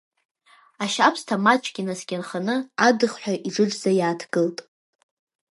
Ашьабсҭа маҷк инаскьахьаны, адыхҳәа иџыџӡа иааҭгылт.